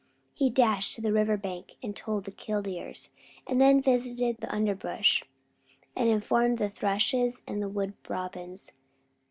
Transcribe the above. He dashed to the river bank and told the killdeers, and then visited the underbrush and informed the thrushes and wood robins.